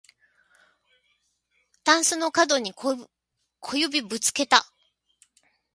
たんすのかどに小指ぶつけた